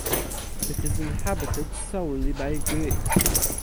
It is inhabited solely by Greeks.